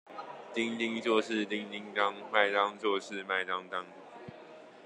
丁丁做事叮叮噹，麥當做事麥當當